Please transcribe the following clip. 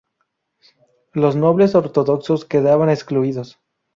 Los nobles ortodoxos quedaban excluidos.